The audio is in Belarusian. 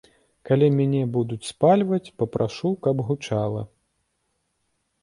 Калі мяне будуць спальваць, папрашу, каб гучала.